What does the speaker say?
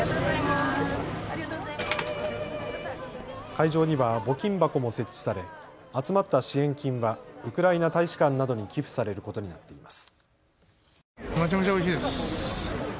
会場には募金箱も設置され集まった支援金はウクライナ大使館などに寄付されることになっています。